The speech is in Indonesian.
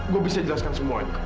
gue bisa jelaskan semua ini